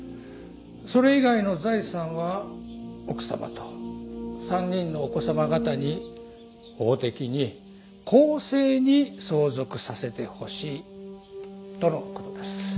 それ以外の財産は奥様と３人のお子様方に法的に公正に相続させてほしいとの事です。